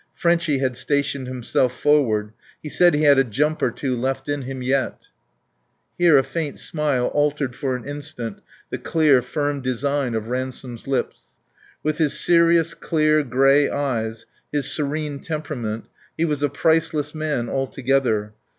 Frenchy had stationed himself forward. He said he had a jump or two left in him yet. Here a faint smile altered for an instant the clear, firm design of Ransome's lips. With his serious clear, gray eyes, his serene temperament he was a priceless man altogether.